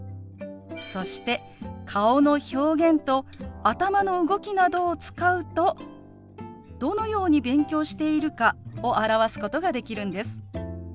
そして顔の表現と頭の動きなどを使うとどのように勉強しているかを表すことができるんです。